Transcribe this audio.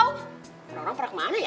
orang orang pernah ke mana ya